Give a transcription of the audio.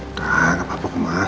nah gak apa apa ke mama